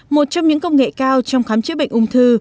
một trong những công nghệ cao trong khám chữa bệnh ung thư